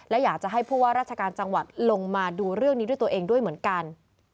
และอยากจะให้ผู้ว่าราชการจังหวัดลงมาดูเรื่องนี้ด้วยตัวเองด้วยเหมือนกัน